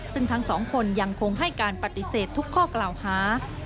ซึ่งทั้งสองคนยังคงให้การปฏิเสธทุกข้อกล่าวหา